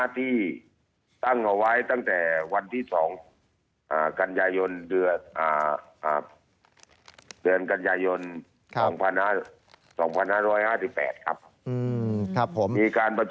ที่ตั้งเอาไว้ตั้งแต่วันที่๒กันยายนเดือนกันยายน๒๕๕๘ครับ